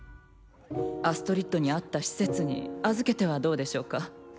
アストリッドに合った施設に預けてはどうでしょうか？